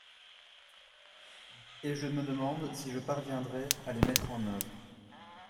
Et je me demande si je parviendrai à les mettre en oeuvre.